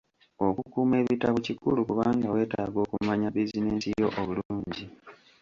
Okukuuma ebitabo kikulu kubanga weetaaga okumanya bizinensi yo obulungi.